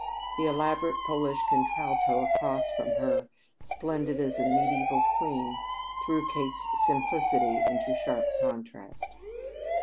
The elaborate Polish contralto across from her, splendid as a mediaeval queen, threw Kate's simplicity into sharp contrast.